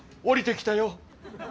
降りてきたよ。